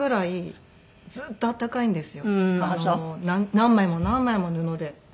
何枚も何枚も布で巻くと。